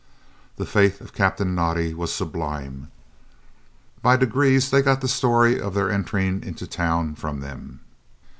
The faith of Captain Naudé was sublime. By degrees they got the story of their entering into the town from them.